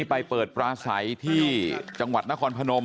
ไปเปิดปลาใสที่จังหวัดนครพนม